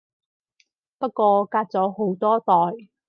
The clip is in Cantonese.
不過隔咗好多代